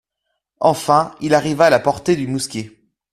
Enfin, il arriva à la portée du mousquet.